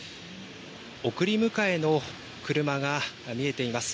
送り迎えの車が見えています。